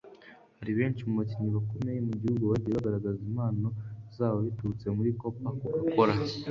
hari benshi mu bakinnyi bakomeye mu gihugu bagiye bagaragaza impano zabo biturutse muri Copa Coca-Cola